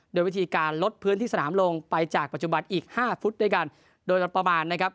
โดยวิธีการลดพื้นที่สนามลงไปจากปัจจุบันอีกห้าฟุตด้วยกันโดยประมาณนะครับ